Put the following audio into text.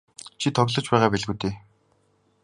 Чи тоглож байгаа байлгүй дээ.